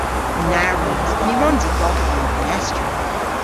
Na wrons! Ny wrons i golghi an fenestri.